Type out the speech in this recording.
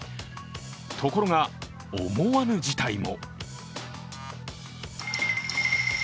ところが、思わぬ事態も。